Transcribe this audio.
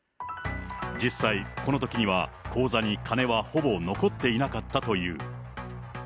実際、このときには口座に金はほぼ残っていなかったという。